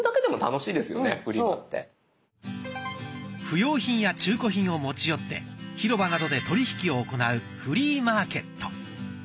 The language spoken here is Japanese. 不要品や中古品を持ち寄って広場などで取り引きを行うフリーマーケット。